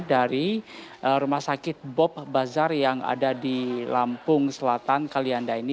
dari rumah sakit bob bazar yang ada di lampung selatan kalianda ini